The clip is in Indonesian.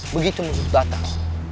begitu musuh datang